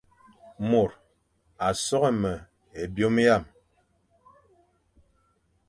Môr a soghé me é byôm hyam,